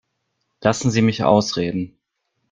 Lassen Sie mich ausreden.